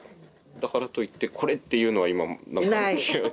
だからといってこれっていうのが今なんか。